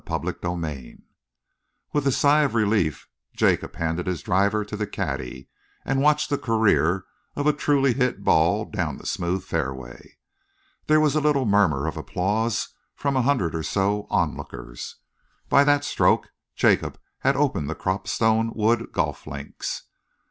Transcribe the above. CHAPTER XXIII With a sigh of relief, Jacob handed his driver to the caddy and watched the career of a truly hit ball down the smooth fairway. There was a little murmur of applause from a hundred or so of onlookers. By that stroke, Jacob had opened the Cropstone Wood Golf Links.